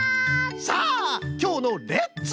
さあきょうの「レッツ！